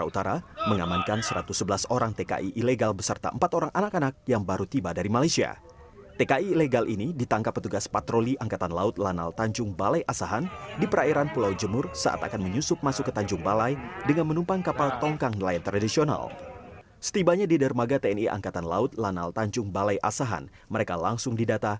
tni angkatan laut lanal tanjung balai asahan